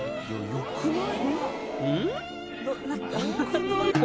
よくない？